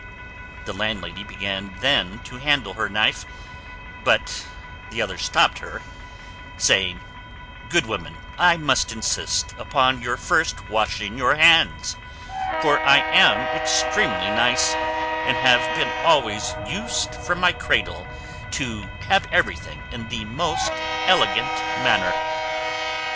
The landlady began then to handle her knife; but the other stopt her, saying, "Good woman, I must insist upon your first washing your hands; for I am extremely nice, and have been always used from my cradle to have everything in the most elegant manner."